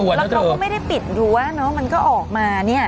แล้วเขาก็ไม่ได้ปิดดูว่าน้องมันก็ออกมาเนี่ย